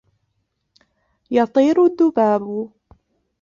يَطِيرُ الذُّبابُ.